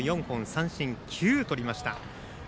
三振、９とりました。